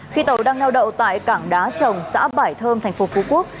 khi tàu đang neo đậu tại cảng đá trồng xã bảy thơm thành phố phú quốc